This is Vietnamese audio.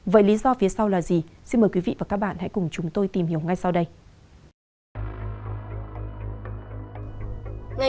với lý do phía sau là gì xin mời quý vị và các bạn hãy cùng chúng tôi tìm hiểu ngay sau đây